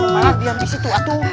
malah diam di situ